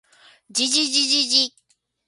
じじじじじ